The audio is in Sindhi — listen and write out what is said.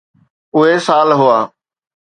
اهي سال هئا.